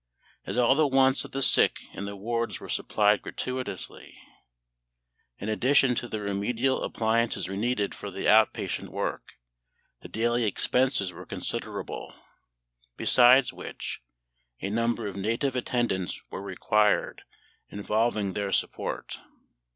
As all the wants of the sick in the wards were supplied gratuitously, in addition to the remedial appliances needed for the out patient work, the daily expenses were considerable; besides which, a number of native attendants were required, involving their support.